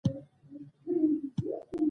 د خپلې خوښې سره سم عمل مه کوه.